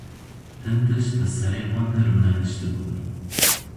Hin tişt di serê wan de rûneniştibûn.